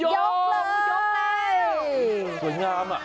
สวยงามอ่ะ